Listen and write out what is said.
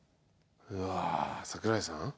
うわ桜井さん？